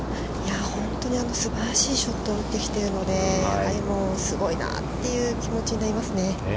◆本当にすばらしいショットを打ってきているので、すごいなぁという気持ちになりますね。